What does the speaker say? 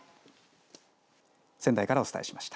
仙台からお伝えしました。